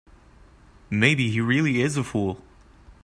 Maybe he really is a fool.